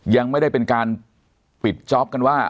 ยังไม่ได้เป็นการปิดจ๊อปกันว่า